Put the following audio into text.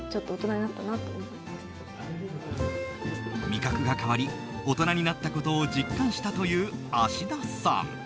味覚が変わり大人になったことを実感したという芦田さん。